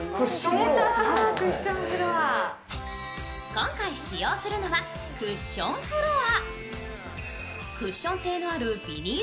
今回使用するのはクッションフロア。